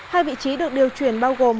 hai vị trí được điều chuyển bao gồm